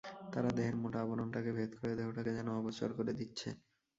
তারা দেহের মোটা আবরণটাকে ভেদ করে দেহটাকে যেন অগোচর করে দিচ্ছে।